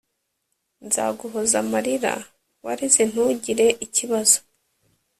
nzaguhoza amarira warize ntugire ikibazo